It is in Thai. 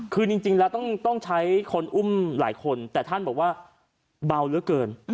คือจริงแล้วต้องใช้คนอุ้มหลายคนแต่ท่านบอกว่าเบาเหลือเกิน